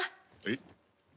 えっ？